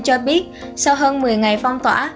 cho biết sau hơn một mươi ngày phong tỏa